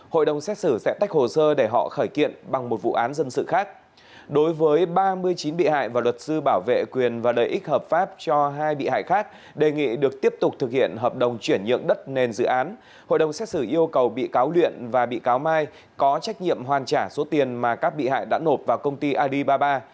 hội đồng xét xử yêu cầu bị cáo luyện và bị cáo mai có trách nhiệm hoàn trả số tiền mà các bị hại đã nộp vào công ty alibaba